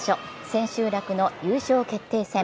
千秋楽の優勝決定戦。